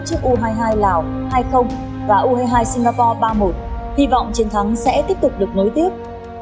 u hai mươi hai lào hai mươi và u hai mươi hai singapore ba một hy vọng chiến thắng sẽ tiếp tục được nối tiếp